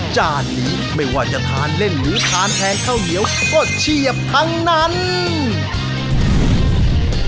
จานนี้ไม่ว่าจะทานเล่นหรือทานแทนข้าวเหนียวก็เฉียบทั้งนั้น